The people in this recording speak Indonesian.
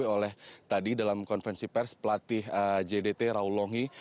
dikasih oleh tadi dalam konvensi pers pelatih jdt raul longhi